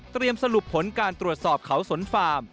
สรุปผลการตรวจสอบเขาสนฟาร์ม